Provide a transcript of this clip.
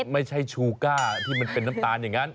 ไม่ใช่ชูก้าที่มันเป็นน้ำตาลอย่างนั้น